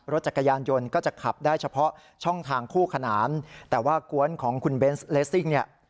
รถจักรยานยนต์ก็จะขับได้เฉพาะช่องทางคู่ขนานแต่ว่ากวนของคุณเบนส์เลสซิ่งเนี่ย